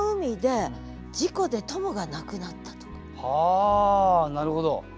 あなるほど。